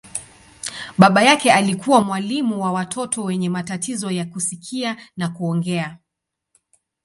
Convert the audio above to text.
Baba yake alikuwa mwalimu wa watoto wenye matatizo ya kusikia na kuongea.